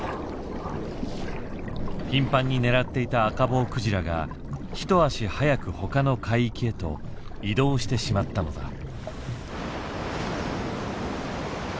頻繁に狙っていたアカボウクジラが一足早くほかの海域へと移動してしまったのだ。